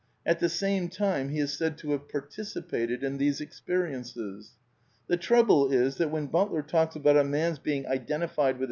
At the same time he is said to have " participated '^ in these experiences. The trouble is that when Butler talks about a man's being identified with